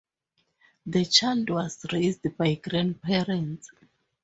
The child was raised by grandparents.